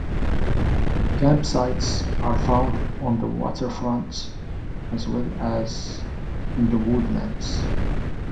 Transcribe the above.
Campsites are found on the waterfront as well as in woodlands.